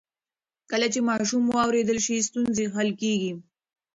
کله چې ماشوم واورېدل شي، ستونزې حل کېږي.